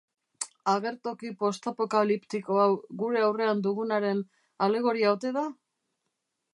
Agertoki postapokaliptiko hau gure aurrean dugunaren alegoria ote da?